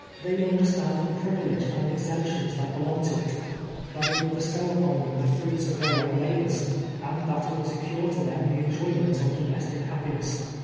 Tlicy understand the privileges and exemptions that belong to it — that it would bestow upon them the fruits of their own labors, and that it would secure to them the enjoyment of domestic liap piness.